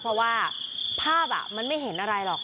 เพราะว่าภาพมันไม่เห็นอะไรหรอก